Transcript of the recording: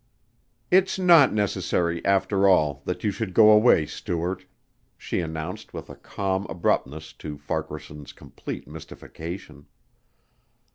"It's not necessary, after all, that you should go away, Stuart," she announced with a calm abruptness to Farquaharson's complete mystification.